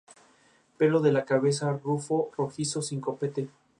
Margaret nunca se volvió a casar.